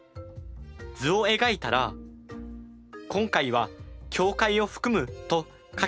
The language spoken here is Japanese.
図を描いたら今回は「境界を含む」と書けばいいですね。